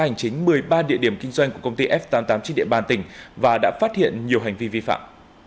hành chính một mươi ba địa điểm kinh doanh của công ty f tám mươi tám trên địa bàn tỉnh và đã phát hiện nhiều hành vi vi phạm